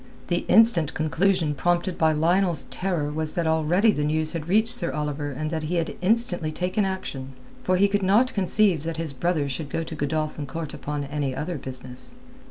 The instant conclusion prompted by Lionel's terror was that already the news had reached Sir Oliver and that he had instantly taken action; for he could not conceive that his brother should go to Godolphin Court upon any other business.